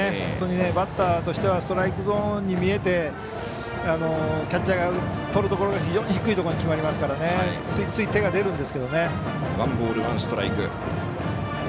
本当にバッターとしてはストライクゾーンに見えてキャッチャーがとるところが非常に低いところに決まりますからついつい手が出るんですけどね。